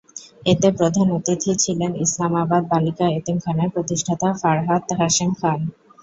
এতে প্রধান অতিথি ছিলেন ইসলামাবাদ বালিকা এতিমখানার প্রতিষ্ঠাতা ফারহাত কাশেম খান।